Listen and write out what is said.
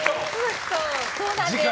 そうなんです！